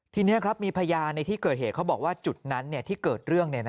ทีนี้ครับมีพยานในที่เกิดเหตุเขาบอกว่าจุดนั้นที่เกิดเรื่อง